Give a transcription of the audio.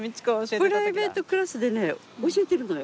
プライベートクラスでね教えてるのよ。